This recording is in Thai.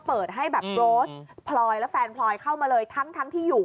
เปิดให้แบบโรสพลอยและแฟนพลอยเข้ามาเลยทั้งที่อยู่